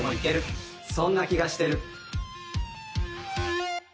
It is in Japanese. そんな気がしてる。